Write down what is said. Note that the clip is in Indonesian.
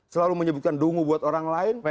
selalu menyebutkan dungu buat orang lain